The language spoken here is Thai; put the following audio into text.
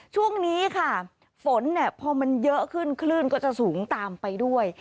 ช่วงนี้ค่ะฝนพอมันเยอะขึ้นคลื่นก็จะสูงตามไปด้วย